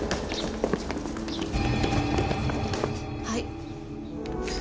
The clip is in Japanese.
はい。